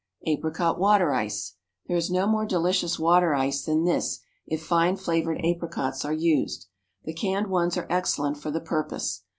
Apricot Water Ice. There is no more delicious water ice than this if fine flavored apricots are used. The canned ones are excellent for the purpose.